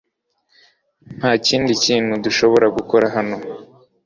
Nta kindi kintu dushobora gukora hano .